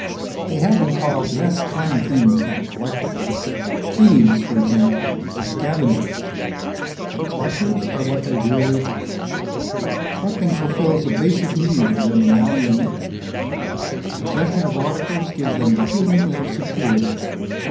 They have been called less kind things than collectors. Thieves, for example, and scavengers. But collectors are what they really are. Collecting fulfills a basic need in their mammalian makeup; the possession of articles gives them a feeling of security.